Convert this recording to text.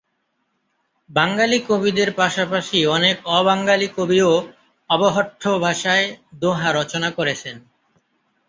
বাঙালি কবিদের পাশাপাশি অনেক অবাঙালি কবিও অবহট্ঠ ভাষায় দোহা রচনা করেছেন।